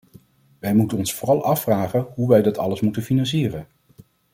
Wij moeten ons vooral afvragen hoe wij dat alles moeten financieren.